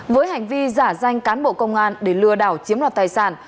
với hành vi giả danh cán bộ công an để lừa đảo chiếm đoạt tài sản